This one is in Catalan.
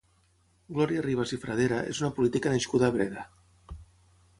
Glòria Ribas i Fradera és una política nascuda a Breda.